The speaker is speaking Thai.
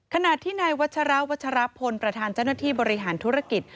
ขณะที่นายวัชราวัชรพลประธานเจ้าหน้าที่บริหารธุรกิจ